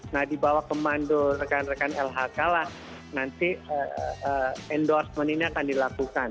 kalau dibawa ke mandul rekan rekan lhk lah nanti endorsement nya akan dilakukan